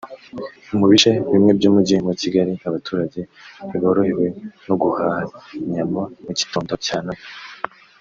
Mu bice bimwe by’umujyi wa Kigali abaturage ntiborohewe no guhaha inyama mu gitondo cya Noheli